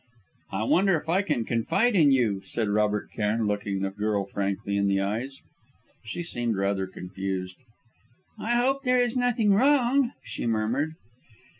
"I wonder if I can confide in you," said Robert Cairn, looking the girl frankly in the eyes. She seemed rather confused. "I hope there is nothing wrong," she murmured.